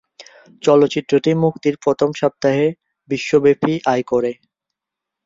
চলচ্চিত্রটি মুক্তির প্রথম সপ্তাহে বিশ্বব্যাপী আয় করে।